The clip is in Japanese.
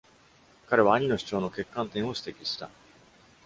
彼は兄の主張の欠陥点を指摘した。